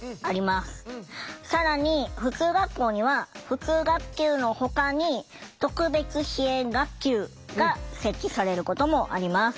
更に普通学校には普通学級のほかに特別支援学級が設置されることもあります。